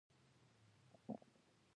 دوی باید بيرته د خليفه قدرت ټينګ کړي.